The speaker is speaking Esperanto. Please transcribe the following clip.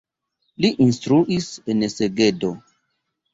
Li instruis en Segedo.